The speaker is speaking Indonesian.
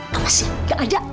kamu sih gak ada